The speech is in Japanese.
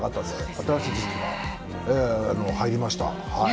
新しい情報が入りました。